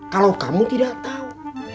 kalau kamu tidak tahu